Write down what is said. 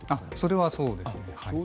それはそうです。